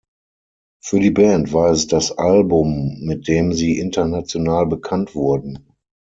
Für die Band war es das Album, mit dem sie international bekannt wurden.